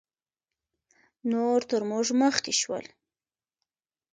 نور تر موږ مخکې شول